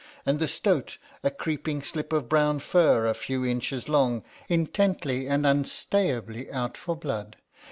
And the stoat, a creeping slip of brown fur a few inches long, intently and unstayably out for blood.